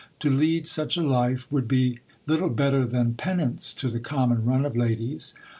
To lead such a life would be little better than penance to the common run of ladies.